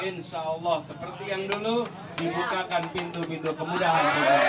insya allah seperti yang dulu dibukakan pintu pintu kemudahan